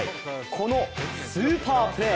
このスーパープレー！